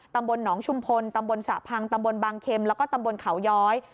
ตำบลหนองชุมพลตำบลสระพังตำบลบางเข็มแล้วก็ตำบลเขาย้อย